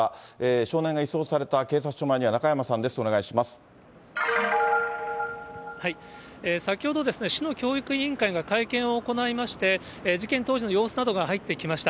少年が移送された警察署前には中先ほど、市の教育委員会が会見を行いまして、事件当時の様子などが入ってきました。